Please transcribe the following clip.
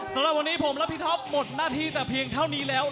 สำหรับวันนี้ผมและพี่ท็อปหมดหน้าที่แต่เพียงเท่านี้แล้ว